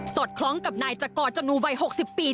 สดคล้องกับนายจับก่อจนูไว้๖๐ปี